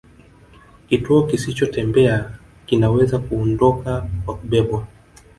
Kitu kisichotembea kinaweza kuondoka kwa kubebwa